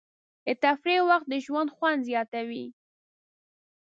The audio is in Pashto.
د تفریح وخت د ژوند خوند زیاتوي.